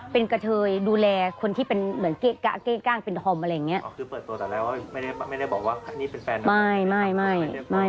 เป็นกระเทยดูแลคนที่เป็นเหมือนเก๊กกะเก้งกล้างเป็นธอมอะไรอย่างนี้